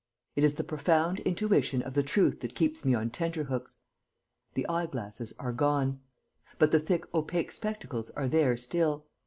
It is the profound intuition of the truth that keeps me on tenterhooks. The eye glasses are gone. But the thick opaque spectacles are there still.